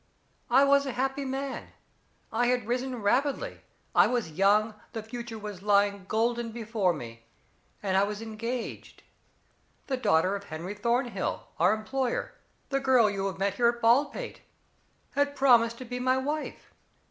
I was a happy man. I had risen rapidly, I was young, the future was lying golden before me and I was engaged. The daughter of Henry Thornhill, our employer the girl you have met here at Baldpate had promised to be my wife.